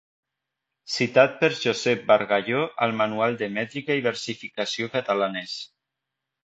Citat per Josep bargalló al Manual de mètrica i versificació catalanes .